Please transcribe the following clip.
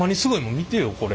見てよこれ。